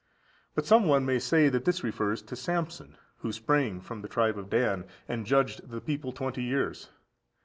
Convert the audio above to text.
But some one may say that this refers to Samson, who sprang from the tribe of Dan, and judged the people twenty years.